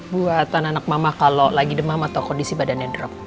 buatan anak mama kalau lagi demam atau kondisi badannya drop